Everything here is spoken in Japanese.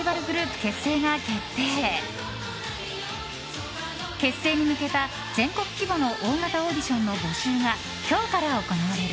結成に向けた全国規模の大型オーディションの募集が今日から行われる。